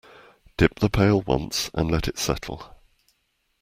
Dip the pail once and let it settle.